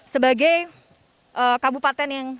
sebagai kabupaten yang